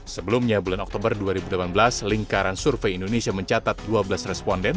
sebelumnya bulan oktober dua ribu delapan belas lingkaran survei indonesia mencatat dua belas responden